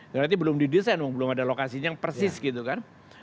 berarti belum didesain belum ada lokasinya yang persis gitu kan